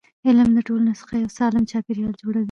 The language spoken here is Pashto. علم د ټولنې څخه یو سالم چاپېریال جوړوي.